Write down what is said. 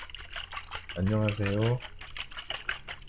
A crowd demanded the guard come out of the Centerville courthouse.